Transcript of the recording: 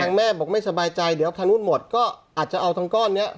แม่บอกไม่สบายใจเดี๋ยวทางนู้นหมดก็อาจจะเอาทั้งก้อนนี้